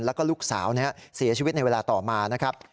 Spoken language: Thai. แล้วก็ลูกสาวเสียชีวิตในเวลาต่อมานะครับ